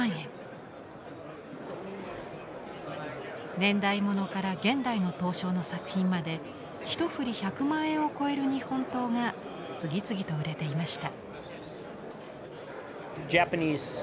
年代物から現代の刀匠の作品まで１ふり１００万円を超える日本刀が次々と売れていました。